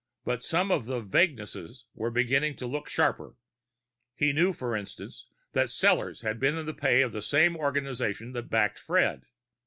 But some of the vaguenesses were beginning to look sharper. He knew, for instance, that Sellors had been in the pay of the same organization that backed Fred.